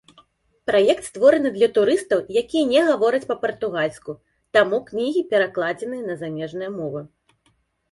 Праект створаны для турыстаў, якія не гавораць па-партугальску, таму кнігі перакладзеныя на замежныя мовы.